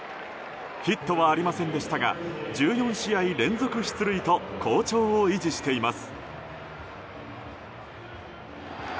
ヒットはありませんでしたが１４試合連続出塁と好調を維持しています。